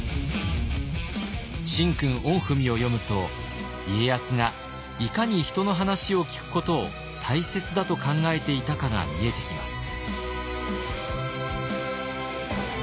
「神君御文」を読むと家康がいかに人の話を聞くことを大切だと考えていたかが見えてきます。